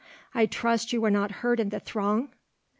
I trust you were not hurt in the throng?"